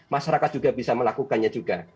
masyarakat juga bisa melakukannya juga